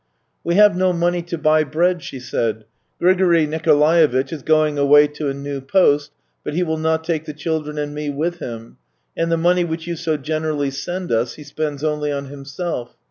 " We have no money to buy bread," she said. " Grigory Nikolaevitch is going away to a new post, but he will not take the children and me with him, and the money which you so generously send us he spends only on himself.